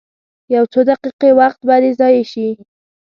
یو څو دقیقې وخت به دې ضایع شي.